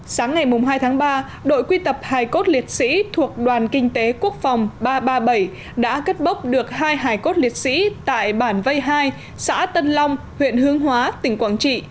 sáng ngày hai tháng ba đội quy tập hài cốt liệt sĩ thuộc đoàn kinh tế quốc phòng ba trăm ba mươi bảy đã cất bốc được hai hải cốt liệt sĩ tại bản vây hai xã tân long huyện hướng hóa tỉnh quảng trị